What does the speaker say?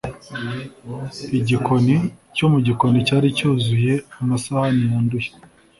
igikoni cyo mu gikoni cyari cyuzuye amasahani yanduye